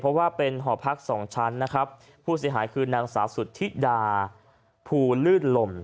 เพราะว่าเป็นหอพักสองชั้นนะครับผู้เสียหายคือนางสาวสุธิดาภูลืดลม